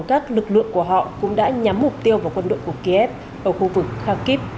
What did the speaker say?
các lực lượng của họ cũng đã nhắm mục tiêu vào quân đội của kiev ở khu vực khakip